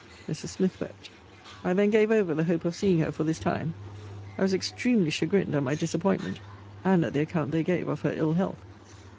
Mrs. Smith wept. I then gave over the hope of seeing her for this time, I was extremely chagrined at my disappointment, and at the account they gave of her ill health.